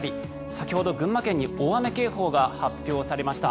先ほど群馬県に大雨警報が発表されました。